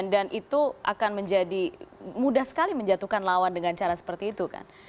dan itu akan menjadi mudah sekali menjatuhkan lawan dengan cara seperti itu kan